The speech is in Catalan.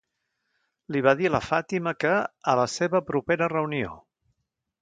Li va dir a la Fatima que, a la seva propera reunió,